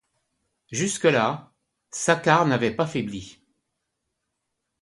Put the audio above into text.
Jusque-là, Saccard n'avait pas faibli.